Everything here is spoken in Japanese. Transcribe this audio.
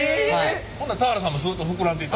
ほんなら田原さんもずっと膨らんでいった？